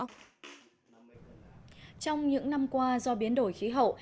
trong những năm qua do biến đổi khí hậu